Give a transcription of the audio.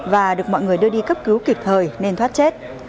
và được mọi người đưa đi cấp cứu kịp thời nên thoát chết